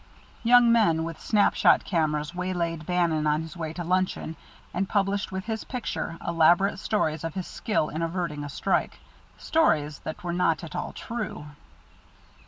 Young men with snap shot cameras way laid Bannon on his way to luncheon, and published, with his picture, elaborate stories of his skill in averting a strike stories that were not at all true.